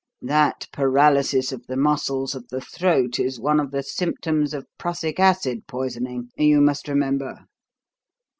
That paralysis of the muscles of the throat is one of the symptoms of prussic acid poisoning, you must remember."